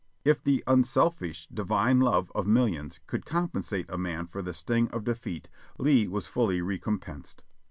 If the unselfish, divine love of millions could compensate a man for the sting of defeat, Lee was fully recompensed.